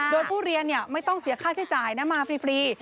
โดยผู้เรียนไม่ต้องเสียค่าใช้จ่ายนะมาฟรี